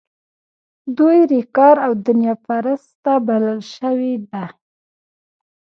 دوی ریاکار او دنیا پرسته بلل شوي دي.